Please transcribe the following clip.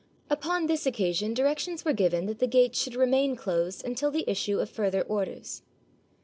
Upon this occasion directions were given that the gates should remain closed until the issue of further orders.